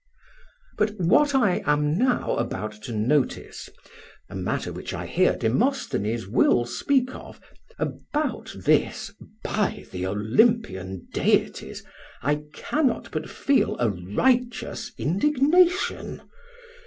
But what I am now about to notice a matter which I hear Demosthenes will speak of about this, by the Olympian deities, I cannot but feel a righteous indignation.